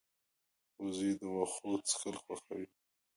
وزې د واښو څکل خوښوي